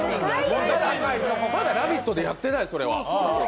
まだ「ラヴィット！」でやってない、それは。